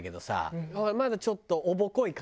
まだちょっと。